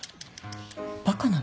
バカなの？